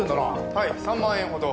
はい３万円ほど。